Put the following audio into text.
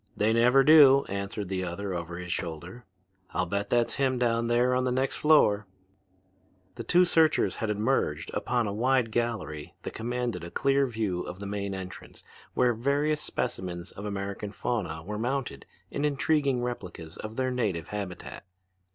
"They never do," answered the other over his shoulder. "I'll bet that's him down there on the next floor." The two searchers had emerged upon a wide gallery that commanded a clear view of the main entrance where various specimens of American fauna were mounted in intriguing replicas of their native habitat.